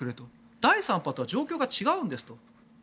第３波とは状況が違うんですと。